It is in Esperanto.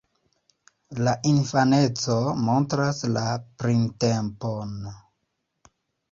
La infaneco montras la printempon.